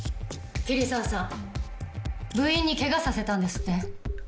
桐沢さん部員に怪我させたんですって？